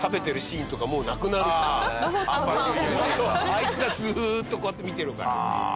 あいつがずーっとこうやって見てるから。